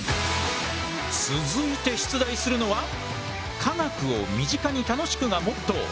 続いて出題するのは科学を身近に楽しくがモットー。